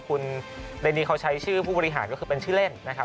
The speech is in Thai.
คุณเรนีเขาใช้ชื่อผู้บริหารก็คือเป็นชื่อเล่นนะครับ